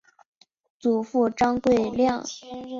祖父张贵谅。